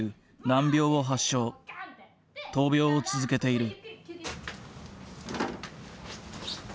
闘病を続けている。